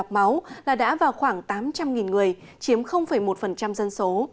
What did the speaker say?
máu là đã vào khoảng tám trăm linh người chiếm một dân số